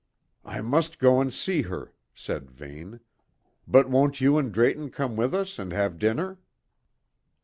"I must go and see her," said Vane. "But won't you and Drayton come with us and have dinner?"